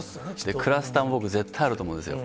クラスターも僕、絶対あると思うんですよ。